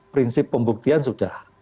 prinsip pembuktian sudah